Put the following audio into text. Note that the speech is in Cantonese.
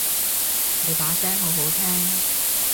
你把聲好好聽